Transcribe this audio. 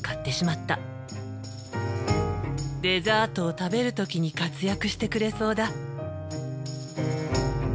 デザートを食べる時に活躍してくれそうだ。